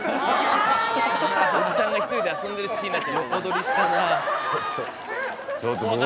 おじさんが１人で遊んでるシーンになっちゃったな。